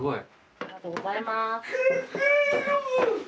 ありがとうございます。